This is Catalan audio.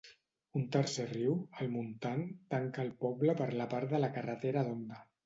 Un tercer riu, el Montant, tanca el poble per la part de la carretera d'Onda.